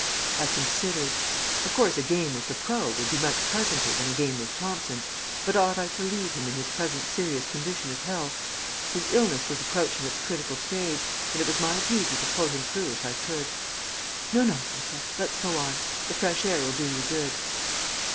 I considered. Of course, a game with the pro. would be much pleasanter than a game with Thomson, but ought I to leave him in his present serious condition of health? His illness was approaching its critical stage, and it was my duty to pull him through if I could. "No, no," I said. "Let's go on. The fresh air will do you good."